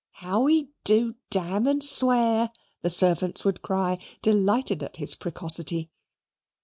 "How he DU dam and swear," the servants would cry, delighted at his precocity.